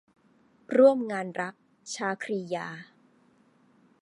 ร่วมงานรัก - ชาครียา